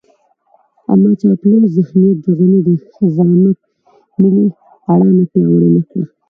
اما چاپلوس ذهنيت د غني د زعامت ملي اډانه پياوړې نه کړه.